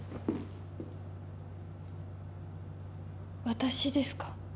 私ですか？